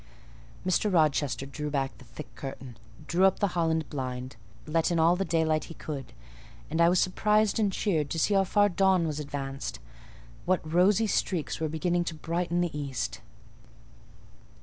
Mr. Rochester drew back the thick curtain, drew up the holland blind, let in all the daylight he could; and I was surprised and cheered to see how far dawn was advanced: what rosy streaks were beginning to brighten the east.